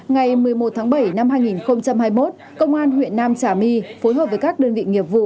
ngày một mươi một tháng bảy năm hai nghìn hai mươi một công an huyện nam trà my phối hợp với các đơn vị nghiệp vụ